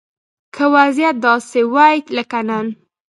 که وضيعت داسې وي لکه نن